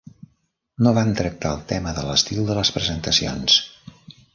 No van tractar el tema de l'estil de les presentacions.